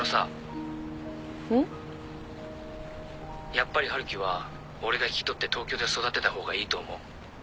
やっぱり春樹は俺が引き取って東京で育てた方がいいと思う。